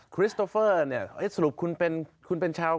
คริสโตเฟอร์เนี่ยสรุปคุณเป็นชาว